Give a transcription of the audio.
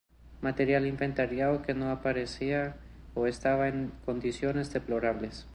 Material inventariado que no aparecía o estaba en condiciones deplorables.